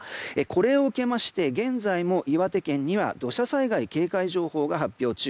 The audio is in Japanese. これを受けまして現在も岩手県には土砂災害警戒情報が発表中。